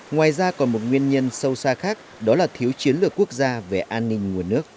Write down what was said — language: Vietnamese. ngoài ra còn một nguyên nhân sâu xa khác đó là thiếu chiến lược quốc gia về an ninh nguồn nước